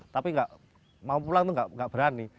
tapi nggak mau pulang itu nggak berani